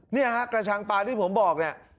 เนี่ยฮะกระชังปลาที่ผมบอกเนี่ย